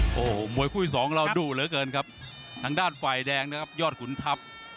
โอ้โหมวยคู่ที่สองเราดูเหลือเกินครับทางด้านฝ่ายแดงนะครับยอดขุนทัพ